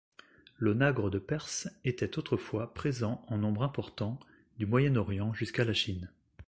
L'onagre de Perse était autrefois présent en nombre important du Moyen-Orient jusqu'à la Chine.